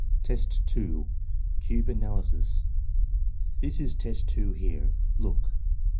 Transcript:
Test 2. — Cube Analysis "This is Test 2 here. Look."